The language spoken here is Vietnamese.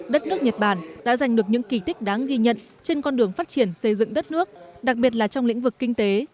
đất nước nhật bản đã giành được những kỳ tích đáng ghi nhận trên con đường phát triển xây dựng đất nước đặc biệt là trong lĩnh vực kinh tế